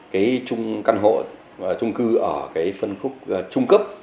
cái căn hộ trung cư ở phân khúc trung cấp